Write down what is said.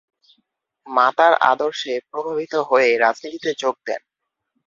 মাতার আদর্শে প্রভাবিত হয়ে রাজনীতিতে যোগ দেন।